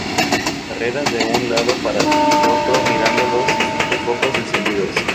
Carreras de un lado para otro mirando los distintos focos encendidos.